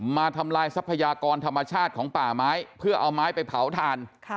ทำลายทรัพยากรธรรมชาติของป่าไม้เพื่อเอาไม้ไปเผาถ่าน